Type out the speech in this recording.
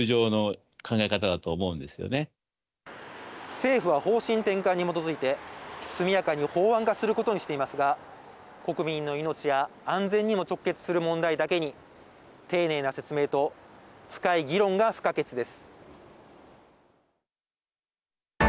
政府は方針転換に基づいて、速やかに法案化することにしていますが、国民の命や安全にも直結する問題だけに、丁寧な説明と深い議論が不可欠です。